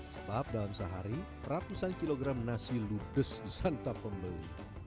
sebab dalam sehari ratusan kilogram nasi ludes disantap pembeli